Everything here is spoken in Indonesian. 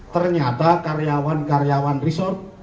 ternyata karyawan karyawan resort